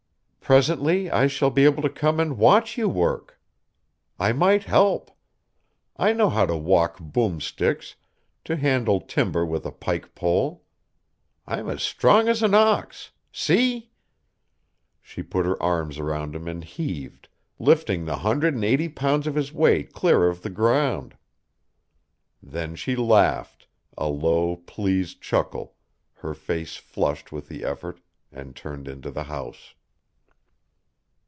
"Presently I shall be able to come and watch you work! I might help. I know how to walk boom sticks, to handle timber with a pike pole. I'm as strong as an ox. See!" She put her arms around him and heaved, lifting the hundred and eighty pounds of his weight clear of the ground. Then she laughed, a low, pleased chuckle, her face flushed with the effort, and turned into the house.